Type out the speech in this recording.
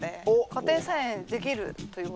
家庭菜園できるということで。